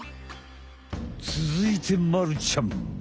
つづいてまるちゃん！